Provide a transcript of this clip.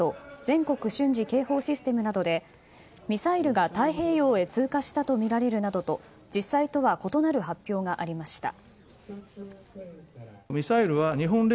・全国瞬時警報システムなどでミサイルが太平洋へ通過したとみられるなどと実際とは異なる発表がありました。